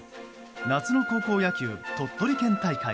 夏の高校野球鳥取県大会。